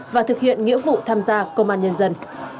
và thực hiện nghĩa vụ tham gia công an nhân dân